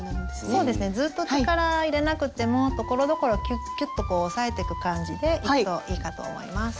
そうですねずっと力入れなくてもところどころキュッキュッとこう押さえてく感じでいくといいかと思います。